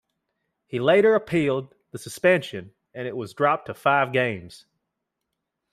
He later appealed the suspension, and it was dropped to five games.